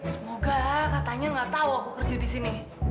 semoga katanya nggak tahu aku kerja di sini